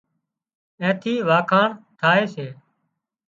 اين ٿي اوۯکاڻ ٿائي سي